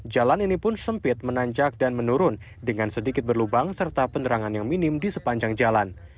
jalan ini pun sempit menanjak dan menurun dengan sedikit berlubang serta penerangan yang minim di sepanjang jalan